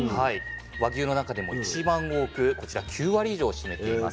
和牛の中でも一番多くこちら９割以上を占めています。